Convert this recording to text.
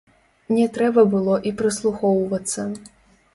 Не трэба было і прыслухоўвацца.